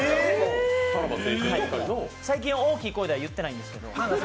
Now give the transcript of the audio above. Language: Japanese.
最近、大きい声では言ってないんですけど。